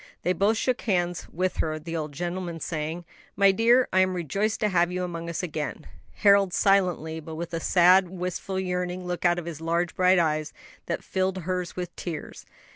They both shook hands with her, the old gentleman saying, "My dear, I am rejoiced to have you among us again;" Harold silently, but with a sad, wistful, yearning look out of his large bright eyes, that filled hers with tears.